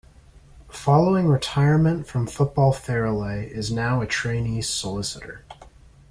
Following retirement from football Farrelly is now a trainee solicitor.